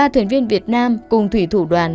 ba thuyền viên việt nam cùng thủy thủ đoàn